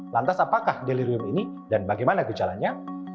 lantas apakah delirium ini dan bagaimana gejalanya